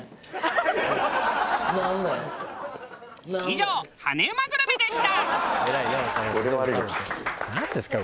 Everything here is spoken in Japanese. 以上ハネうまグルメでした！